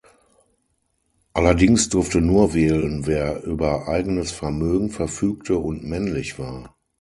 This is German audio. Allerdings durfte nur wählen wer über eigenes Vermögen verfügte und männlich war.